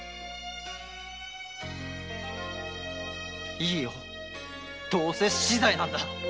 いいよどうせ死罪なんだ。